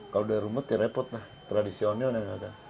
kalau udah rumet ya repot lah tradisional ya nggak ada